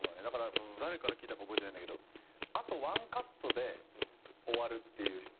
だから誰から聞いたか覚えてないんだけどあと１カットで終わるっていう。